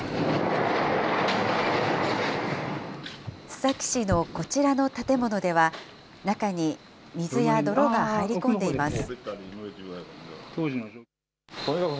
須崎市のこちらの建物では、中に水や泥が入り込んでいます。